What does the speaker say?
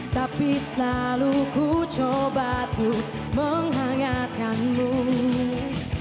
tapi selalu ku coba tuh melindungi nu